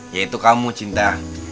yaitu kamu cinta